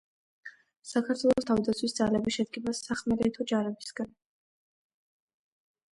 საქართველოს თავდაცვის ძალები შედგება სახმელეთო ჯარებისაგან.